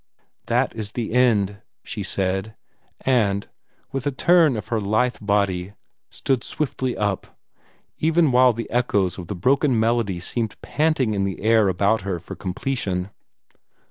"That is the end," she said, and, with a turn of her lithe body, stood swiftly up, even while the echoes of the broken melody seemed panting in the air about her for completion.